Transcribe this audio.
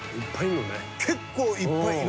結構いっぱい。